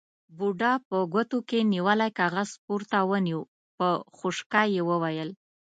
بوډا په ګوتو کې نيولی کاغذ پورته ونيو، په خشکه يې وويل: